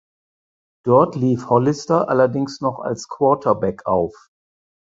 Dort lief Hollister allerdings noch als Quarterback auf.